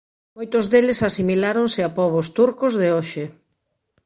Moitos deles asimiláronse a pobos turcos de hoxe.